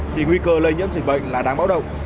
thì nguy cơ lây nhiễm dịch bệnh là đáng báo động